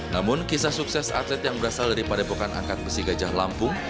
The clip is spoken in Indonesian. namun kisah sukses atlet yang berasal dari padepokan angkat besi gajah lampung